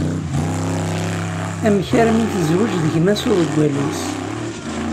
Amek armi tezweǧ d gma-s uḍeggal-is?